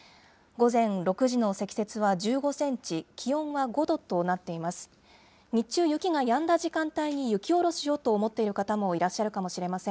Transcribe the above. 午前６時の積雪は１５センチ、気温は５度となっています。